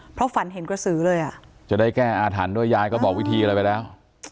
เพราะฝันเห็นกระสือเลยอ่ะจะได้แก้อาถรรพ์ด้วยยายก็บอกวิธีอะไรไปแล้ว